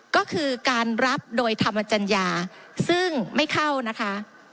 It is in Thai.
ก็คือการรับโดยธรรมจัญญาซึ่งไม่เข้านะคะ